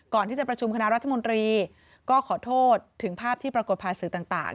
ก่อนที่จะประชุมคณะรัฐมนตรีก็ขอโทษถึงภาพที่ปรากฏผ่านสื่อต่าง